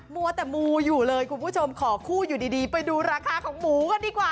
มัวแต่มูอยู่เลยคุณผู้ชมขอคู่อยู่ดีไปดูราคาของหมูกันดีกว่า